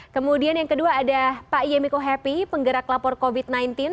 kemudian yang kedua ada pak yemiko happy penggerak lapor covid sembilan belas